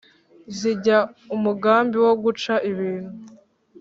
zijya umugambi wo guca ibintu